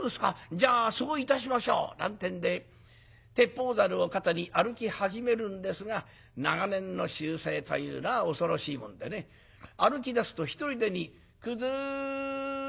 じゃあそういたしましょう」なんてんで鉄砲ざるを肩に歩き始めるんですが長年の習性というのは恐ろしいもんでね歩きだすとひとりでに「くずい」。